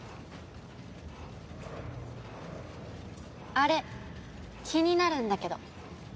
あれ気になるんだけど。